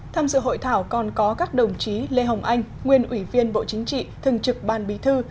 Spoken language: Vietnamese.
tham dự hội thảo còn có các đồng chí lê hồng anh nguyên ủy viên bộ chính trị thường trực ban bí thư